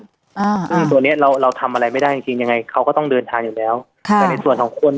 ซึ่งตัวนี้เราทำอะไรไม่ได้จริงยังไงเขาก็ต้องเดินทางอยู่แล้ว